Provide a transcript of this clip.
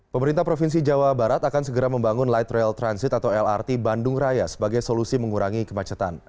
pemerintah provinsi jawa barat akan segera membangun light rail transit atau lrt bandung raya sebagai solusi mengurangi kemacetan